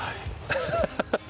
ハハハハ！